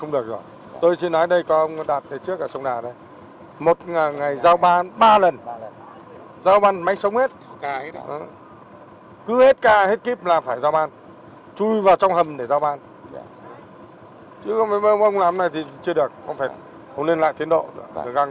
ông làm này thì chưa được ông nên lại tiến độ tổ chức lại giải pháp thi công rút ngắn cho tôi ba tháng